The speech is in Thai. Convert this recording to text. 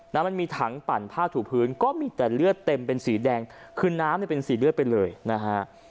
มันมีถังปั่นผ้าถูพื้นก็มีแต่เลือดเต็มเป็นสีแดงคือน้ำเนี่ยเป็นสีเลือดไปเลยนะฮะ